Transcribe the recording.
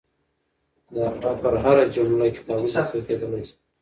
د هغه پر هره جمله کتابونه لیکل کېدلای شي.